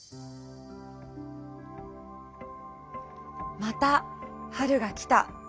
また春が来た。